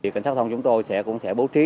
cảnh sát thông chúng tôi cũng sẽ bố trí